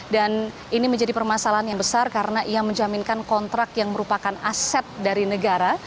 dan ini menjadi permasalahan yang besar karena ia menjaminkan kontrak yang merupakan aset dari negara